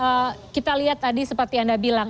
pak arief mungkin ini kita lihat tadi seperti anda bilang